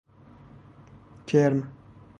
کرم